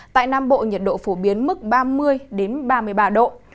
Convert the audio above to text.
tại nam bộ nhiệt độ phổ biến mức ba mươi ba mươi ba độ